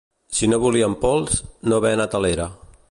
Si no volien pols, no haver anat a l'era.